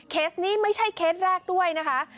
นี้ไม่ใช่เคสแรกด้วยนะคะ